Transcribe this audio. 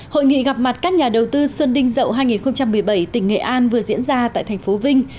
hội nghị gặp mặt các nhà đầu tư xuân đinh dậu hai nghìn một mươi bảy tỉnh nghệ an vừa diễn ra tại thành phố vinh